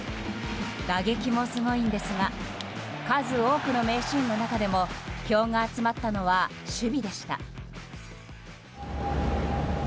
打撃もすごいんですが数多くの名シーンの中でも票が集まったのは守備でした。